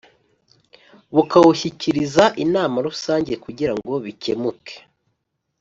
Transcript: Bukawushyikiriza inama rusange kugira ngo bikemuke